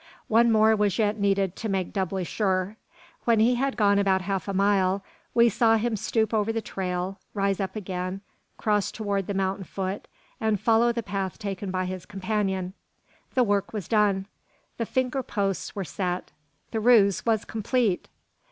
One more was yet needed to make doubly sure. When he had gone about half a mile, we saw him stoop over the trail, rise up again, cross toward the mountain foot, and follow the path taken by his companion. The work was done; the finger posts were set; the ruse was complete!